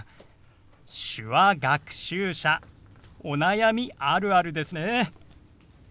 手話学習者お悩みあるあるですね。